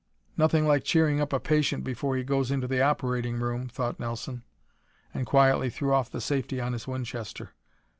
"Nothing like cheering up a patient before he goes into the operating room," thought Nelson, and quietly threw off the safety on his Winchester.